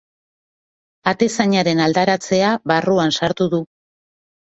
Atezainaren aldaratzea barruan sartu du.